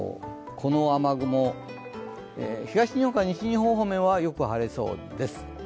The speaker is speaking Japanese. この雨雲、東から西日本方面は、よく晴れそうです。